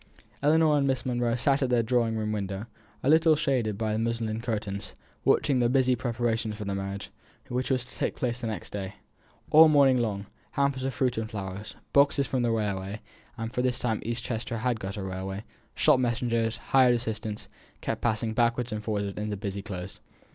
Ellinor and Miss Monro sat at their drawing room window, a little shaded by the muslin curtains, watching the busy preparations for the marriage, which was to take place the next day. All morning long, hampers of fruit and flowers, boxes from the railway for by this time East Chester had got a railway shop messengers, hired assistants, kept passing backwards and forwards in the busy Close.